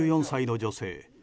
８４歳の女性。